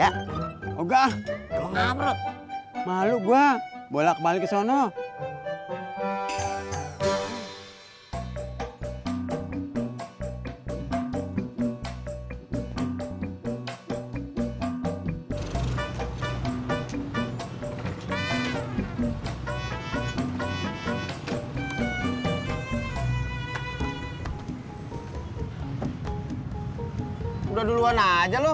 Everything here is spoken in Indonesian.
hai oga ngapret malu gua bolak balik sono udah duluan aja loh